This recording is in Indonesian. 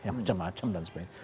macem macem dan sebagainya